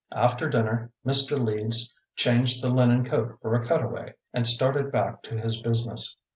After dinner Mr. Leeds changed the linen coat for a cutaway and started back to his business.